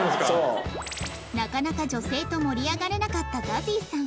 なかなか女性と盛り上がれなかった ＺＡＺＹ さん